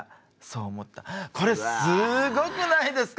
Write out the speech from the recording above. これすごくないですか？